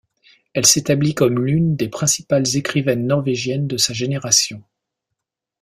Elle s'établi comme l’une des principales écrivaines norvégiennes de sa génération.